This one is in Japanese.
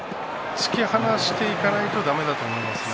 突き放していかないとだめだと思いますね。